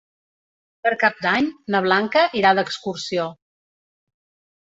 Per Cap d'Any na Blanca irà d'excursió.